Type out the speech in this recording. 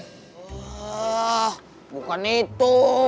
wah bukan itu